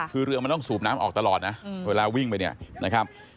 คือเรือมันต้องสูบน้ำออกตลอดนะเวลาวิ่งไปเนี่ยนะครับ